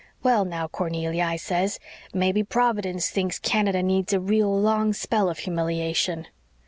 'Well, now Cornelia,' I says, 'mebbe Providence thinks Canada needs a real long spell of humiliation.'